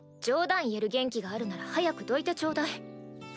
冗談言える元気があるなら早くどいてちょうだい。